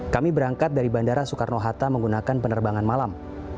kami berangkat dari bandara soekarno hatta menggunakan penerbangan malam